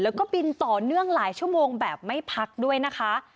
แล้วก็บินต่อเนื่องหลายชั่วโมงแบบไม่พักด้วยนะคะ